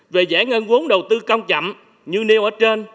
về giải ngân vốn đầu tư công chậm như nêu ở trên